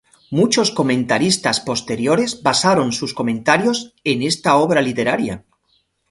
Muchos comentaristas posteriores basaron sus comentarios en esta obra literaria.